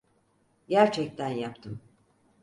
Gerçekten yaptım.